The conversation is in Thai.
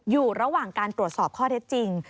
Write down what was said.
อยู่ระหว่างการตรวจสอบข้อเท็จจริง